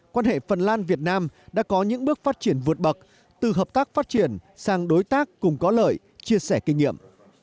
quan hệ phần lan việt nam đã có những bước phát triển vượt bậc từ hợp tác phát triển sang đối tác cùng có lợi chia sẻ kinh nghiệm